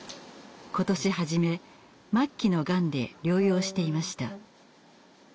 今年初め末期のガンで療養していました。